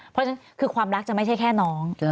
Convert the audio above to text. เพราะฉะนั้นคือความรักจะไม่ใช่แค่น้อง